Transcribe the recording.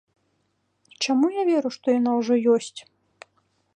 Чаму я веру, што яна ўжо ёсць?